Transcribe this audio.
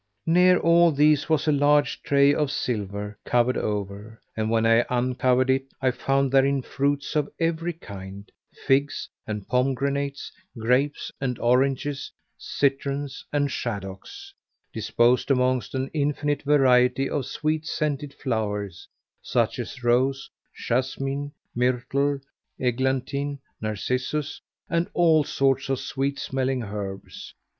Near all these was a large tray of silver covered over, and when I uncovered it I found therein fruits of every kind, figs and pomegranates, grapes and oranges, citrons and shaddocks[FN#501] disposed amongst an infinite variety of sweet scented flowers, such as rose, jasmine, myrtle, eglantine, narcissus and all sorts of sweet smelling herbs.